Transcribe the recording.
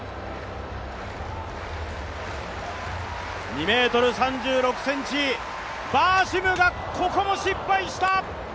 ２ｍ３６ｃｍ、バーシムがここも失敗した！